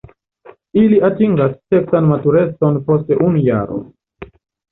Ili atingas seksan maturecon post unu jaro.